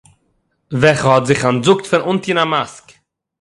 וועלכע האט זיך אנטזאגט פון אנטון א מאסק